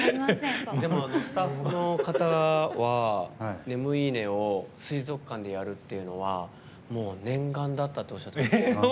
スタッフの方は「眠いいね！」を水族館でやるのはもう念願だったっておっしゃってました。